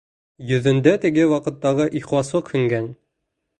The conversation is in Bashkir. Йөҙөндә теге ваҡыттағы ихласлыҡ һүнгән.